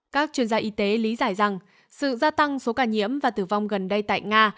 các chuyên gia y tế lý giải rằng sự gia tăng số ca nhiễm và tử vong gần đây tại nga